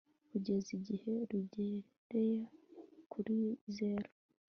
kugeza igihe rugereye kuri zero